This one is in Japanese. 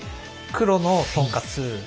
黒のトンカツ。